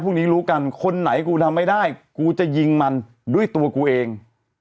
พวกนี้รู้กันคนไหนกูทำไม่ได้กูจะยิงมันด้วยตัวกูเอง